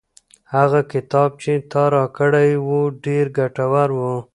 هغه کتاب چې تا راکړی و ډېر ګټور و.